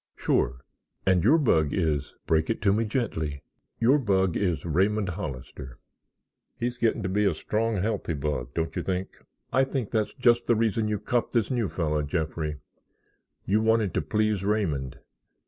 "Sure; and your bug is——" "Break it to me gently." "Your bug is Raymond Hollister." "He's getting to be a strong, healthy bug, don't you think?" "I think that's just the reason you copped this new fellow, Jeffrey. You wanted to please Raymond.